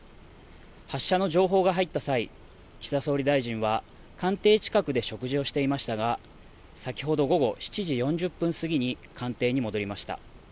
発射の情報が入った際、岸田総理大臣は官邸近くで食事をしていましたが、先ほど午後７時４０分過ぎに官邸に戻りました。